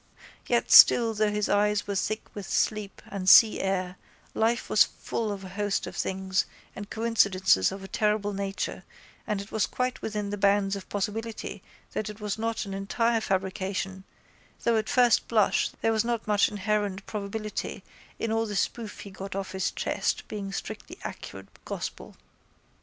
Yet still though his eyes were thick with sleep and sea air life was full of a host of things and coincidences of a terrible nature and it was quite within the bounds of possibility that it was not an entire fabrication though at first blush there was not much inherent probability in all the spoof he got off his chest being strictly accurate gospel.